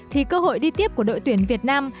thì cơ hội đi tiếp của đội tuyển việt nam